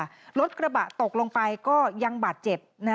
หลบลงไปก็ยังบาดเจ็บ